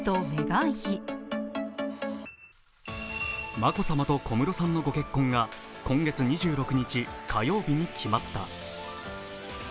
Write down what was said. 眞子さまと小室さんのご結婚が今月２６日火曜日に決まった。